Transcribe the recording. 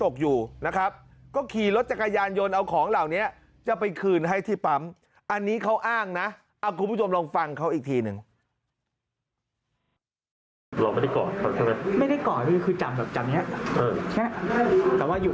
คุณผู้ชมลองฟังเขาอีกทีหนึ่ง